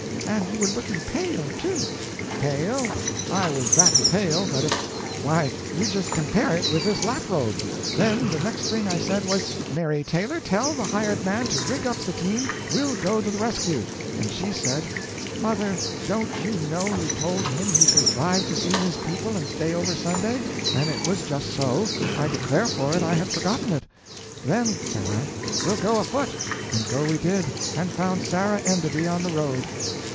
And you were looking pale, too." "Pale? I was that pale that if why, you just compare it with this laprobe. Then the next thing I said was, 'Mary Taylor, tell the hired man to rig up the team we'll go to the rescue.' And she said, 'Mother, don't you know you told him he could drive to see his people, and stay over Sunday?' And it was just so. I declare for it, I had forgotten it. 'Then,' said I, 'we'll go afoot.' And go we did. And found Sarah Enderby on the road."